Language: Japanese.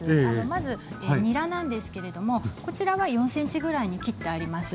まずにらなんですけれどもこちらは４ｃｍぐらいに切ってあります。